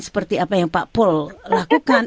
seperti apa yang pak pul lakukan